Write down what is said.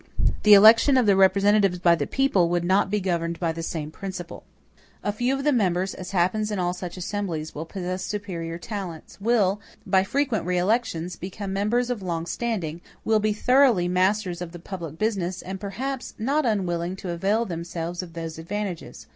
The election of the representatives by the people would not be governed by the same principle. A few of the members, as happens in all such assemblies, will possess superior talents; will, by frequent reelections, become members of long standing; will be thoroughly masters of the public business, and perhaps not unwilling to avail themselves of those advantages.